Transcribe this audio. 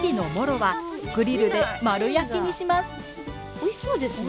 おいしそうですね。